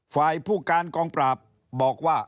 ฝ่ายผู้การกองปราบบอกว่า